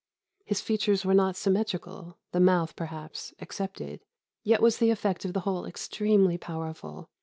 His features were not symmetrical (the mouth, perhaps, excepted), yet was the effect of the whole extremely powerful.